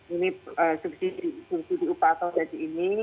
ini sukses di upah atau daji ini